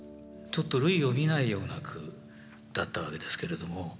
ちょっと類を見ないような句だったわけですけれども。